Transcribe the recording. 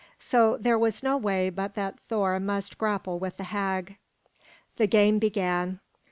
So there was no way but that Thor must grapple with the hag. The game began.